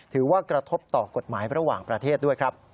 ถือว่ากระทบต่อกฎหมายระหว่างประเทศด้วยครับ